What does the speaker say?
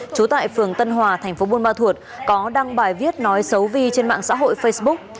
chú tại phường tân hòa tp buôn ma thuột có đăng bài viết nói xấu vi trên mạng xã hội facebook